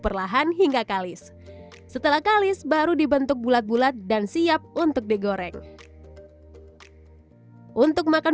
perlahan hingga kalis setelah kalis baru dibentuk bulat bulat dan siap untuk digoreng untuk makan